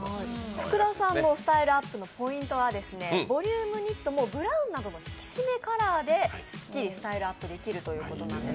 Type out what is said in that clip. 福田さんのスタイルアップのポイントは、ボリュームニットも、ブラウンなどの引き締めカラーですっきりスタイルアップできるそうです。